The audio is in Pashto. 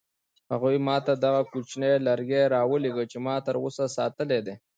هغوی ما ته دغه کوچنی لرګی راولېږه چې ما تر اوسه ساتلی دی.